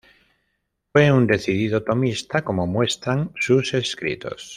Fue un decidido tomista, como muestran sus escritos.